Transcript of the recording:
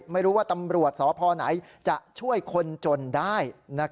ไม่รู้ว่าตำรวจสพไหนจะช่วยคนจนได้